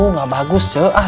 nggak bagus cek